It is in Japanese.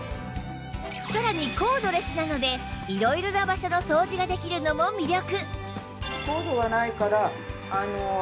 さらにコードレスなので色々な場所の掃除ができるのも魅力